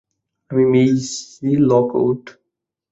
আমি Maisie Lockwood.